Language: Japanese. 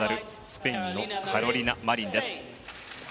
スペインのカロリナ・マリンです。